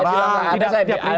tidak saya tidak perintah